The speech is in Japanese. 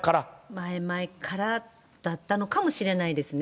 前々からだったのかもしれないですね。